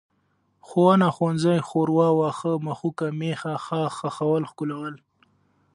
ښوونه، ښوونځی، ښوروا، واښه، مښوکه، مېښه، ښاخ، ښخول، ښکلول